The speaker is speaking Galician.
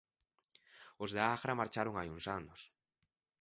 Os da Agra marcharon hai uns anos.